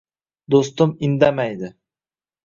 Do’stim indamaydi